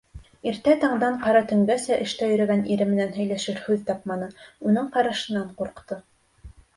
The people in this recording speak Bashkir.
Иртә таңдан ҡара төнгәсә эштә йөрөгән ире менән һөйләшер һүҙ тапманы, уның ҡарашынан ҡурҡты.